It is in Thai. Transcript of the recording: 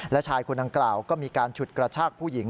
และชายคนดังกล่าวก็มีการฉุดกระชากผู้หญิง